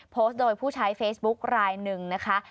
โพสต์โดยผู้ใช้เฟซบุ๊กรายหนึ่งนะคะ